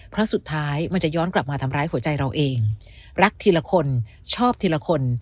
เพราะสุดท้ายมันจะย้อนกลับมาทำร้ายหัวใจเราเองรักทีละคนชอบทีละคน